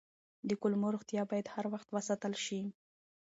د کولمو روغتیا باید هر وخت وساتل شي.